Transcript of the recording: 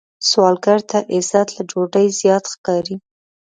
سوالګر ته عزت له ډوډۍ زیات ښکاري